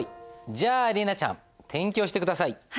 じゃあ莉奈ちゃん転記をして下さい。